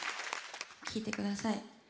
聴いてください。